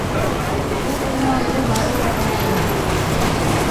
- Ул урманлы мари яғынан ине.